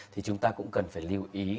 thì chúng ta cũng cần phải lưu ý